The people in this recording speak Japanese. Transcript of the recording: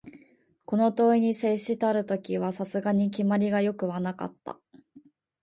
この問に接したる時は、さすがに決まりが善くはなかった